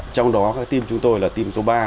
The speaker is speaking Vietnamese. trong đó các team chúng tôi là team số ba